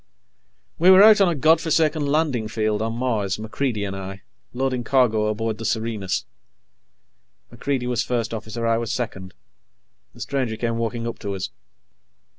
We were out on a God forsaken landing field on Mars, MacReidie and I, loading cargo aboard the Serenus. MacReidie was First Officer. I was Second. The stranger came walking up to us.